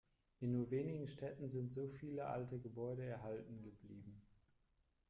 In nur wenigen Städten sind so viele alte Gebäude erhalten geblieben.